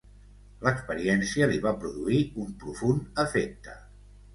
L'experiència li va produir un profund efecte.